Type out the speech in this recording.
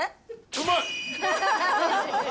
うまい。